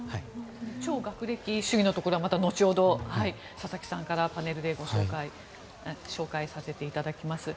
超学歴主義のところはまた後ほど佐々木さんからパネルで紹介させていただきます。